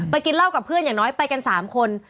กินเหล้ากับเพื่อนอย่างน้อยไปกัน๓คน